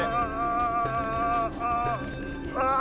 ああ。